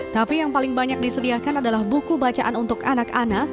tapi yang paling banyak disediakan adalah buku bacaan untuk anak anak